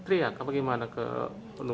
ibu teriak apa gimana ke rumah